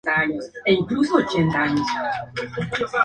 Y apareció en un episodio de la serie "Rake", donde dio vida a Barbara.